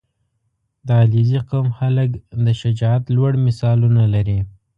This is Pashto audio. • د علیزي قوم خلک د شجاعت لوړ مثالونه لري.